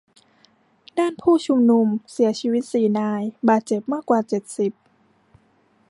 ด้านผู้ชุมนุมเสียชีวิตสี่นาย บาดเจ็บมากกว่าเจ็ดสิบ